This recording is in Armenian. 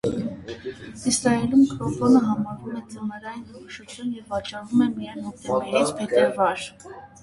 Իսրայելում կրեմբոն համարվում ձմեռային քնքշություն և վաճառվում է միայն հոկտեմբերից փետրվար։